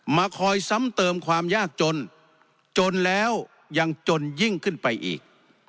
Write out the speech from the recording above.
มาคอยซ้ำเติมความยากจนจนแล้วยังจนยิ่งขึ้นไปอีก